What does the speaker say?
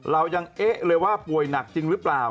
เรายังเอ๊ะเลยว่าป่วยหนักจริงหรือเปล่า